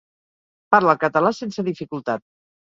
Parla el català sense dificultat.